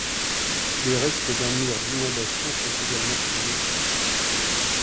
Des restes d'un mur d'inondation sont également trouvés.